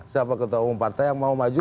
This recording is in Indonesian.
siapa ketua umum partai yang mau maju